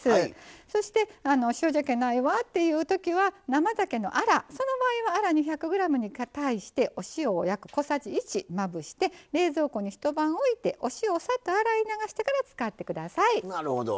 そして、塩じゃけないわっていう場合には生ざけのアラ、その場合はアラ２００ｇに対してお塩を約小さじ１まぶして冷蔵庫に一晩、置いてお塩を、さっと洗い流してから使ってください。